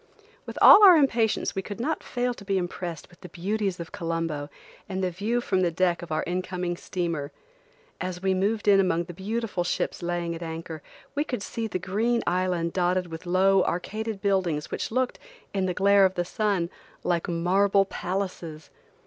With all our impatience we could not fail to be impressed with the beauties of Colombo and the view from the deck of our incoming steamer. As we moved in among the beautiful ships laying at anchor, we could see the green island dotted with low arcaded buildings which looked, in the glare of the sun, like marble palaces.